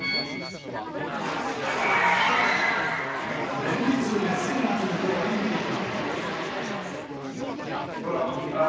連日、熱戦が続くオリンピック。